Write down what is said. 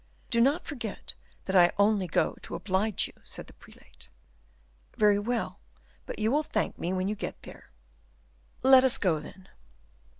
"Do not forget that I only go to oblige you," said the prelate. "Very well; but you will thank me when you get there." "Let us go, then."